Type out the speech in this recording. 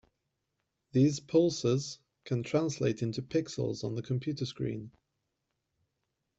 These pulses can translate into "pixels" on the computer screen.